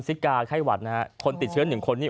ซิกาไข้หวัดนะฮะคนติดเชื้อหนึ่งคนนี่